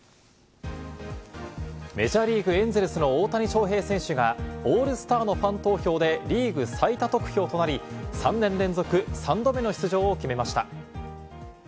メジャーリーグ、エンゼルスの大谷翔平選手がオールスターのファン投票でリーグ最多得票となり、３年連続３度目の出場を決めました。